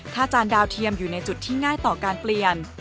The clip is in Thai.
ถ้าจานดาวเทียมอยู่ในจุดที่ง่ายต่อการเปลี่ยน